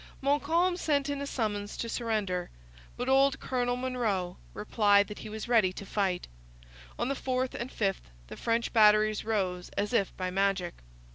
Montcalm sent in a summons to surrender. But old Colonel Monro replied that he was ready to fight. On the 4th and 5th the French batteries rose as if by magic.